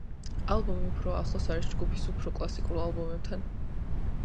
ალბომი უფრო ახლოს არის ჯგუფის უფრო კლასიკურ ალბომებთან.